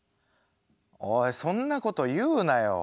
おいそんなこと言うなよ。